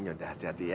ini udah hati hati ya